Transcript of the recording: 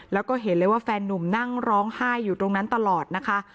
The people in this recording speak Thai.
แล้วก็เห็นเลยว่าแฟนนุ่มนั่งร้องไห้อยู่ตรงนั้นตลอดนะคะ